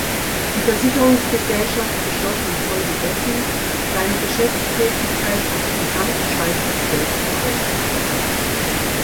Die Versicherungsgesellschaft beschloss in Folge dessen seine Geschäftstätigkeit auf die gesamte Schweizer Bevölkerung auszuweiten.